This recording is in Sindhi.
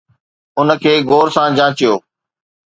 ان کي غور سان جانچيو.